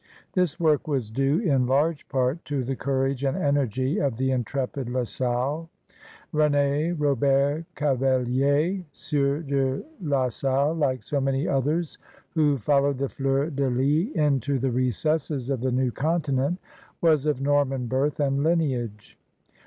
This work was due, in large part, to the courage and energy of the intrepid La Salle. Ren^Robert Caveliert Sieur de La Salle, like so many others who followed the fleur de lis into the recesses of the new continent, was of Norman birth and lineage.